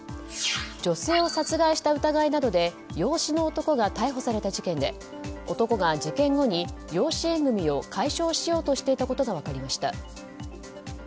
女性を殺害した疑いなどで養子の男が逮捕された事件で、男が事件後に養子縁組を解消しようとしていたことが分かりました。